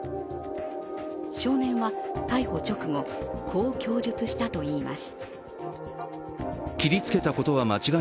少年は逮捕直後、こう供述したといいます。